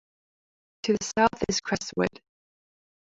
To the south is Crestwood.